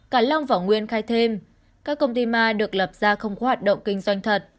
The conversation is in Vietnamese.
cả long và nguyên khai thêm các công ty ma được lập ra không có hoạt động kinh doanh thật